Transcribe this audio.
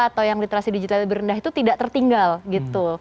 atau yang literasi digital lebih rendah itu tidak tertinggal gitu